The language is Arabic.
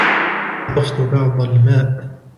أضفت بعض الماء